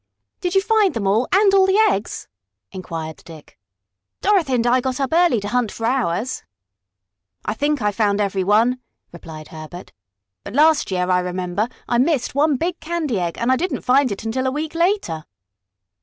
"Did you find them all, and all the eggs?" inquired Dick. "Dorothy and I got up early to hunt for ours." "I think I found every one," replied Herbert. "But last year, I remember, I missed one big candy egg, and I didn't find it until a week later."